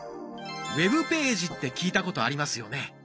ウェブページって聞いたことありますよね。